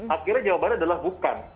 akhirnya jawabannya adalah bukan